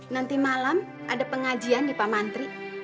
nanti malam ada pengajian di pamantri